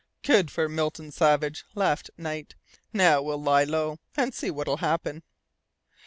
"Good for Milton Savage," laughed Knight. "Now we'll lie low, and see what will happen."